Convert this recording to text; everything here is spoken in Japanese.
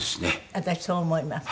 私そう思います。